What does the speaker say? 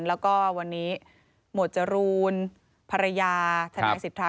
แล้วก็วันนี้หมวดจรูนภรรยาทนายสิทธา